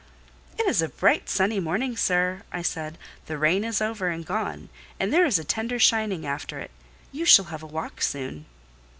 "It is a bright, sunny morning, sir," I said. "The rain is over and gone, and there is a tender shining after it: you shall have a walk soon."